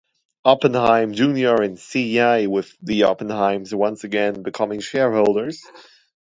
Oppenheim Junior and Cie., with the Oppenheims once again becoming shareholders.